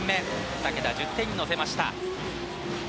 ２桁１０点に乗せました。